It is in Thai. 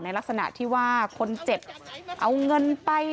ลักษณะที่ว่าคนเจ็บเอาเงินไป